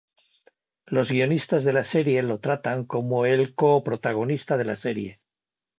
Los guionistas de la serie lo tratan como el co-protagonista de la serie.